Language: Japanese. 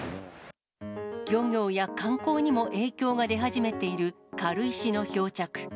漁業や観光にも影響が出始めている軽石の漂着。